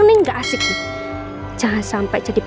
gigi sudah selesai